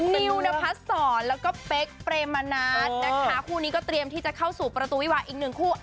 นิวนพัดศรแล้วก็เป๊กเปรมมะนานะคะคู่นี้ก็เตรียมที่จะเข้าสู่ประตูวิวาอีกหนึ่งคู่